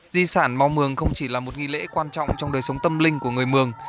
di sản mau mường không chỉ là một nghi lễ quan trọng trong đời sống tâm linh của người mường